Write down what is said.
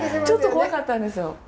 ちょっと怖かったんですよ。